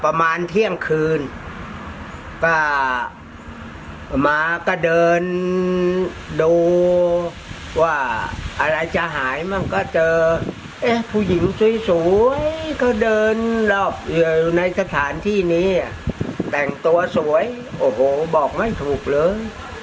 ประมาณเที่ยงคืนก็มาก็เดินดูว่าอะไรจะหายมั่งก็เจอเอ๊ะผู้หญิงสวยก็เดินรอบอยู่ในสถานที่นี้แต่งตัวสวยโอ้โหบอกไม่ถูกเลย